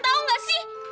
tau gak sih